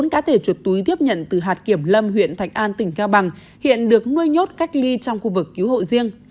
bốn cá thể chuột túi tiếp nhận từ hạt kiểm lâm huyện thạch an tỉnh cao bằng hiện được nuôi nhốt cách ly trong khu vực cứu hộ riêng